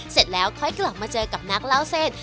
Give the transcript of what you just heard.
เสร็จแล้วค่อยกลับมาเจอกับนักเล่าเส้น